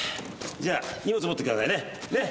じゃあ荷物持ってくださいね。